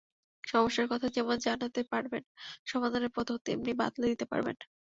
সমস্যার কথা যেমন জানাতে পারবেন, সমাধানের পথও তেমনি বাতলে দিতে পারবেন।